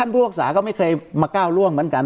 พวกศาลก็ไม่เคยมาก้าวร่วงเหมือนกัน